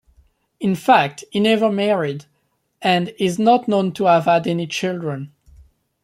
In fact, he never married, and is not known to have had any children.